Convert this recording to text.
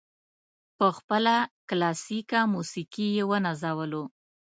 په خپله کلاسیکه موسیقي یې ونازولو.